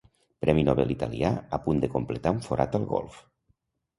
Premi Nobel italià a punt de completar un forat al golf.